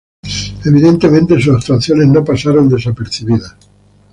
Evidentemente, sus actuaciones no pasaron desapercibidas.